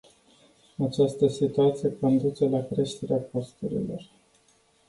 Această situație conduce la creșterea costurilor.